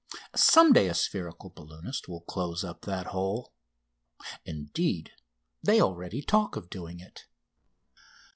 Some day a spherical balloonist will close up that hole; indeed, they already talk of doing it.